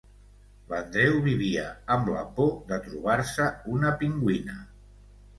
L'Andreu vivia amb la por de trobar-se una pingüina.